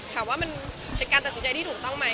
ถามว่ามันเป็นการตัดสินใจที่ถูกต้องไหม